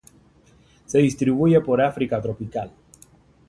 Se distribuye por África tropical.